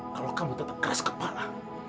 kalau kamu tetap keras kepala